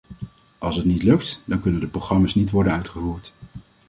Als het niet lukt, dan kunnen de programma's niet worden uitgevoerd.